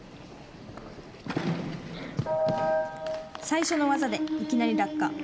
最初の技で、いきなり落下。